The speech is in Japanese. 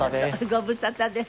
ご無沙汰です。